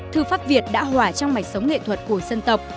thư pháp việt đã hỏa trong mạch sống nghệ thuật của dân tộc